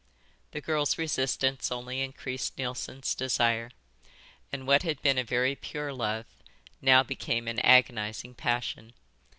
The girl's resistance only increased Neilson's desire, and what had been a very pure love now became an agonising passion.